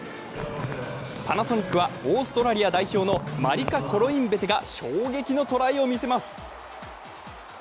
パナソニックはオーストラリア代表のマリカ・コロインベテが衝撃のトライを見せます。